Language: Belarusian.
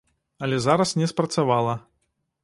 Але зараз не спрацавала.